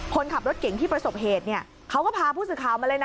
คนขับรถเก่งที่ประสบเหตุเนี่ยเขาก็พาผู้สื่อข่าวมาเลยนะ